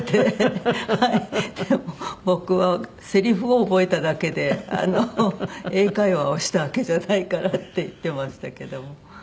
「でも僕はセリフを覚えただけで英会話をしたわけじゃないから」って言ってましたけども。